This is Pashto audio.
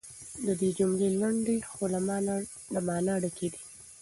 د ده جملې لنډې خو له مانا ډکې دي.